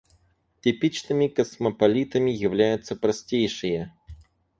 Типичными космополитами являются простейшие.